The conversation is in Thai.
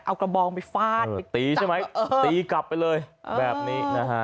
เอากระบองไปฟาดไปตีใช่ไหมตีกลับไปเลยแบบนี้นะฮะ